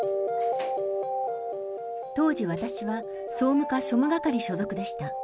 当時、私は総務課庶務係所属でした。